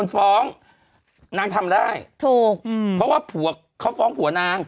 เพราะว่าผัวเขาฟ้องผัวนาง